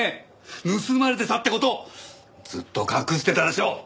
盗まれてたって事ずっと隠してたでしょ！